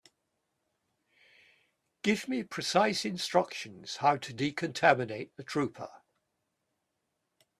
Give me precise instructions how to decontaminate the trooper.